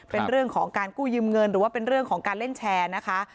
เป็นเรื่องของการกู้ยืมเงินหรือว่าเป็นเรื่องของการเล่นแชร์นะคะ